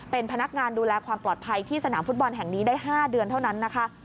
เป็นพนักงานดูแลความปลอดภัยที่สนามฟุตบอลแห่งนี้ได้๕เดือนเท่านั้นนะคะ